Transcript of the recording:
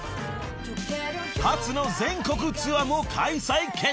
［初の全国ツアーも開催決定］